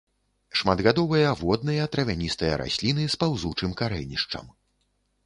Шматгадовыя водныя травяністыя расліны з паўзучым карэнішчам.